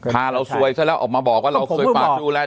พาเราซวยซะแล้วออกมาบอกว่าเราเคยฝากดูแล